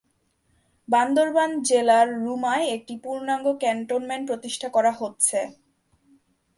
বান্দরবান জেলার রুমায় একটি পূর্ণাঙ্গ ক্যান্টনমেন্ট প্রতিষ্ঠিত করা হচ্ছে।